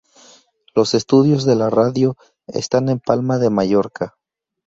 Los estudios de la radio están en Palma de Mallorca.